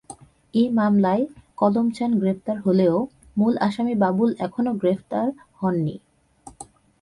এ মামলায় কলমচান গ্রেপ্তার হলেও মূল আসামি বাবুল এখনো গ্রেপ্তার হননি।